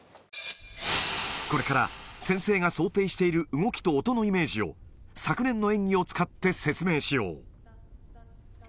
これから先生が想定している動きと音のイメージを、昨年の演技を使って説明しよう。